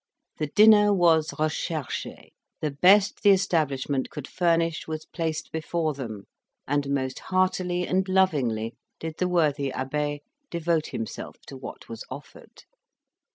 The dinner was recherche; the best the establishment could furnish was placed before them, and most heartily and lovingly did the worthy abbe devote himself to what was offered.